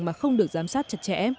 mà không được giám sát chặt chẽ